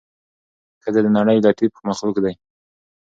ښځه د نړۍ لطيف مخلوق دې